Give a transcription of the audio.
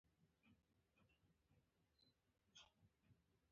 زرغونه کاکړه د پښتو شعر په تاریخ کښي دا لومړۍ ښځه ده.